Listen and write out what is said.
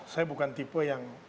saya bukan tipe yang